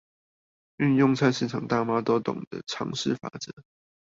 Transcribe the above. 運用菜市場大媽都懂的常識法則